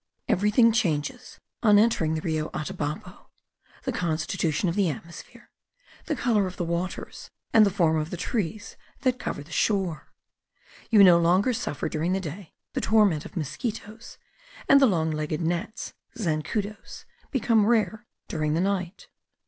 Everything changes on entering the Rio Atabapo; the constitution of the atmosphere, the colour of the waters, and the form of the trees that cover the shore. You no longer suffer during the day the torment of mosquitos; and the long legged gnats (zancudos) become rare during the night.